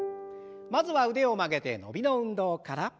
まずは腕を曲げて伸びの運動から。